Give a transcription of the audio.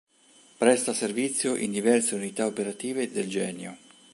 Presta servizio in diverse unità operative del Genio.